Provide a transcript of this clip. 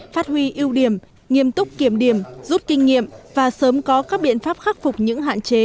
phát huy ưu điểm nghiêm túc kiểm điểm rút kinh nghiệm và sớm có các biện pháp khắc phục những hạn chế